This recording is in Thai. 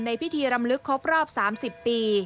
พิธีรำลึกครบรอบ๓๐ปี